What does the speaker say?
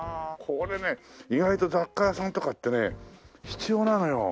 これね意外と雑貨屋さんとかってね必要なのよ。